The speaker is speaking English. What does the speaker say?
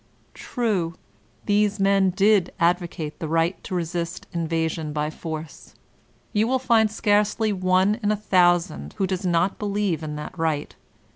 True, these men did advocate the right to resist invasion by force. You will find scarcely one in a thousand who does not believe in that right.